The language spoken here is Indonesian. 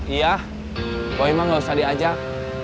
iya pokoknya emang gak usah diajak